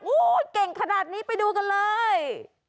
เก่งขนาดนี้ไปดูกันเลย